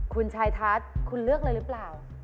คุณชายทัศน์คุณเลือกเลยหรือเปล่า